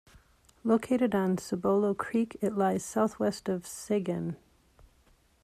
Located on Cibolo Creek, it lies southwest of Seguin.